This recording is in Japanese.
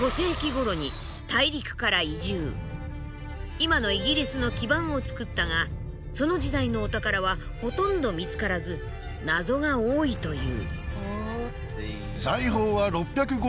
今のイギリスの基盤を作ったがその時代のお宝はほとんど見つからず謎が多いという。